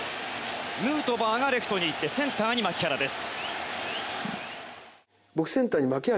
ヌートバーがレフトに行ってセンターに牧原です。